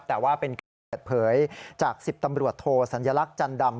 แต่ว่าเป็นการเปิดเผยจาก๑๐ตำรวจโทสัญลักษณ์จันดำ